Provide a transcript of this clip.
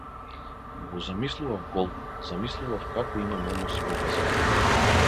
Го замислував гол, замислував како имаме односи во базенот.